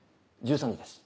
１３時です。